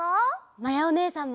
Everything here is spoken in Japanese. まやおねえさんも！